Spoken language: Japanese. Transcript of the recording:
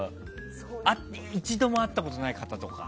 一度も会ったことない方とか。